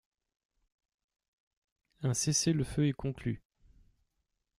Un cessez-le-feu est conclu.